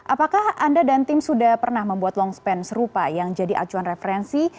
apakah anda dan tim sudah pernah membuat longspan serupa yang jadi acuan referensi